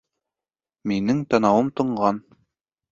Минең танауым тонған